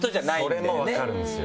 それも分かるんですよ。